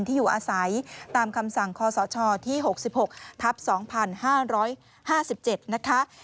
ที่อยู่อาศัยตามคำสั่งคศที่๖๖ทับ๒๕๕๗นะคะ